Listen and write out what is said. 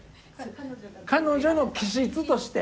彼女の気質として。